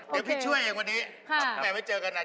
เดี๋ยวพี่ช่วยเองวันนี้แหมไม่เจอกันอ่ะ